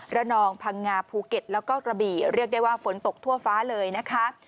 นองพังงาภูเก็ตแล้วก็กระบี่เรียกได้ว่าฝนตกทั่วฟ้าเลยนะคะ